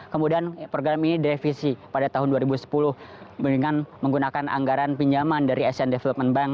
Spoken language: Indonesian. kemudian program ini direvisi pada tahun dua ribu sepuluh dengan menggunakan anggaran pinjaman dari asian development bank